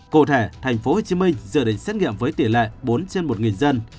cụ thể tp hcm dự định xét nghiệm với tỷ lệ bốn trên một dân